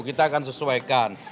kita akan sesuaikan